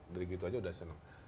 dari gitu aja udah seneng